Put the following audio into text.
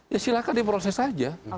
ya silahkan diproses saja